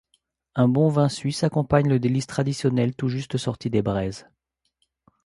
Un bon vin suisse accompagne le délice traditionnel tout juste sorti des braises.